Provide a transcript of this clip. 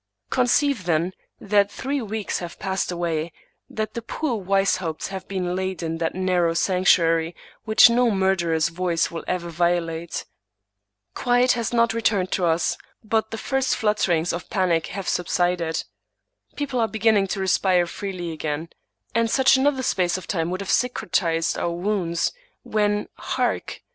Conceive, then, that three weeks have passed away, that the poor Weishaupts have been laid in that narrow sanc tuary which no murderer's voice will ever violate. Quiet has not returned to us, but the first flutterings of panic 123 English Mystery Stories have subsided. People are beginning to respire freely again ; and such another space of time would have cicatrized our wounds — when, hark